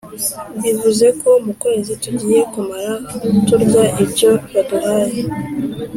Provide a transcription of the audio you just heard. bivuze ko mu kwezi tugiye kumara turya ibyo baduhaye,